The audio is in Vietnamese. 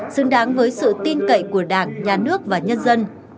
xứng đáng với sự tin cậy của đảng nhà nước và nhân dân